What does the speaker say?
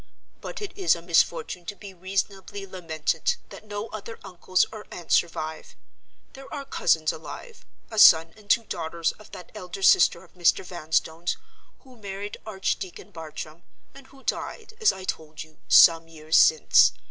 But it is a misfortune to be reasonably lamented that no other uncles or aunts survive. There are cousins alive; a son and two daughters of that elder sister of Mr. Vanstone's, who married Archdeacon Bartram, and who died, as I told you, some years since.